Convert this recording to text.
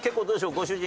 ご主人